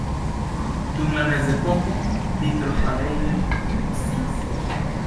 Dum la mezepoko vitrofarejo funkciis.